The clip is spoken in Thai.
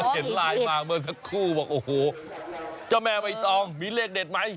เห็นไลน์มาเมื่อสักครู่บอกโอ้โหเจ้าแม่ใบตองมีเลขเด็ดไหม